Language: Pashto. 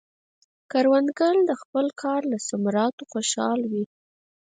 کروندګر د خپل کار له ثمراتو خوشحال وي